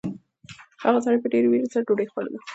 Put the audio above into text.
هغه سړي په ډېرې وېرې سره ډوډۍ خوړله.